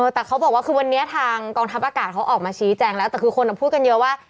แต่เขาบอกว่าคือวันนี้ทางกองทัพอากาศเขาออกมาชี้แจงแล้วแต่คือคนพูดกันเยอะว่า